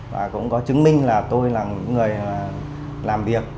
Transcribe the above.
và cũng có chứng minh là tôi là những người làm việc